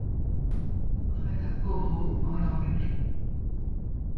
Il s'entraîne à Hobro, en Norvège.